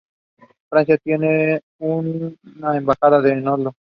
It is native to Western Australia.